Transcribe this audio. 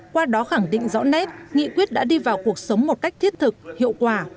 qua đó khẳng định rõ nét nghị quyết đã đi vào cuộc sống một cách thiết thực hiệu quả